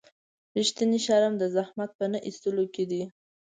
رښتینی شرم د زحمت په نه ایستلو کې دی.